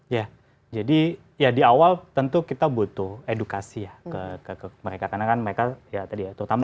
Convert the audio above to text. ya jadi ya di awal tentu kita butuh edukasi ya ke mereka karena kan mereka ya tadi ya terutama